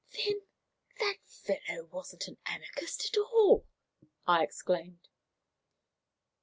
"Then that fellow wasn't an anarchist at all?" I exclaimed.